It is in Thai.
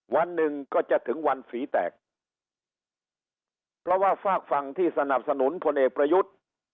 วันหนึ่งก็จะถึงวันฝีแตกเพราะว่าฝากฝั่งที่สนับสนุนพลเอกประยุทธ์